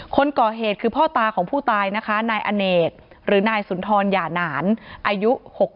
คนก่อเหตุคือพ่อตาของผู้ตายนะคะนายอเนกหรือนายสุนทรหย่านานอายุ๖๒